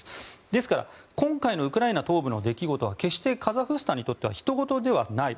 ですから、今回のウクライナ東部の出来事は決してカザフスタンにとってはひとごとではない。